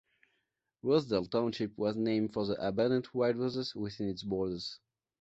Rosedale Township was named for the abundant wild roses within its borders.